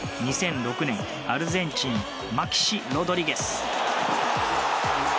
２００６年、アルゼンチンマキシ・ロドリゲス。